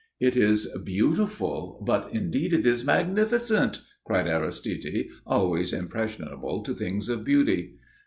"It is beautiful, but indeed it is magnificent!" cried Aristide, always impressionable to things of beauty.